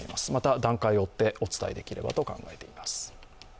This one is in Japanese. また段階を追ってお伝えできればと考えています。